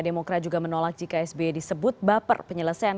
demokrat juga menolak jika sby disebut baper penyelesaian